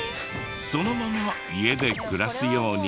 そのまま家で暮らすように。